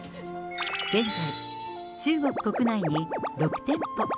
現在、中国国内に６店舗。